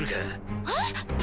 えっ？